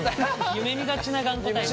夢みがちな頑固タイプ。